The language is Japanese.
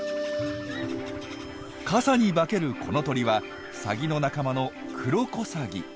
傘に化けるこの鳥はサギの仲間のクロコサギ。